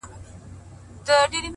ښه عادتونه خاموشه پانګه ده!